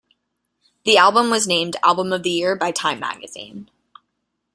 The album was named "Album of the Year" by "Time" magazine.